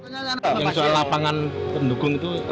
yang soal lapangan pendukung itu